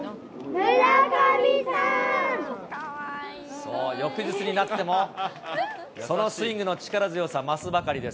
そう、翌日になっても、そのスイングの力強さ、増すばかりです。